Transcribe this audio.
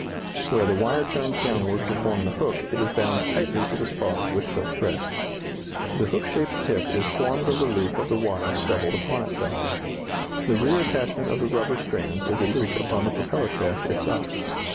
Where the wire turns downward to form the hook it is bound tightly to the spar with silk thread. The hook shaped tip is formed of the loop of the wire doubled upon itself. The rear attachment of the rubber strands is a loop upon the propeller shaft itself.